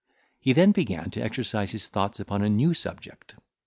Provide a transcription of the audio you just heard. He then began to exercise his thoughts upon a new subject.